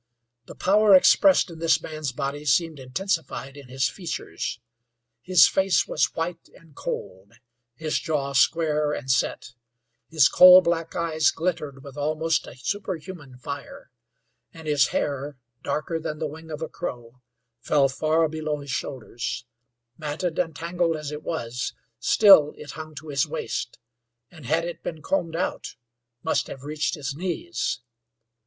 The power expressed in this man's body seemed intensified in his features. His face was white and cold, his jaw square and set; his coal black eyes glittered with almost a superhuman fire. And his hair, darker than the wing of a crow, fell far below his shoulders; matted and tangled as it was, still it hung to his waist, and had it been combed out, must have reached his knees.